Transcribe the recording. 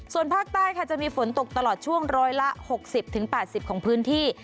ส่วนภาคใต้ค่ะจะมีฝนตกตลอดช่วงร้อยละ๖๐๘๐ของพื้นที่